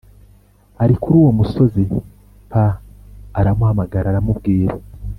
ari kuri uwo musozi p aramuhamagara aramubwira